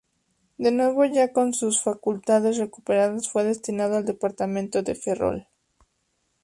De nuevo ya con sus facultades recuperadas, fue destinado al departamento de Ferrol.